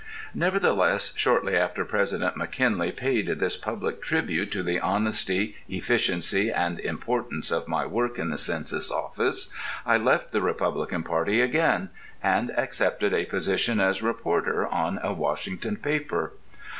Nevertheless, shortly after President McKinley paid this public tribute to the honesty, efficiency and importance of my work in the Census Office, I left the Republican party again, and accepted a position as reporter on a Washington paper.